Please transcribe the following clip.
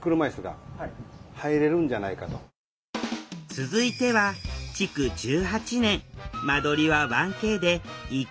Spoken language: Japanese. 続いては築１８年間取りは１Ｋで１階の角部屋。